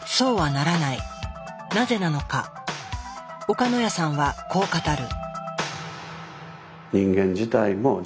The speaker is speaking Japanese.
岡ノ谷さんはこう語る。